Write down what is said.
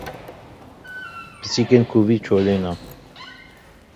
Pisîkên kûvî li çolê ne